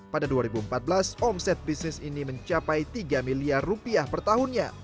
pada dua ribu empat belas omset bisnis ini mencapai tiga miliar rupiah per tahunnya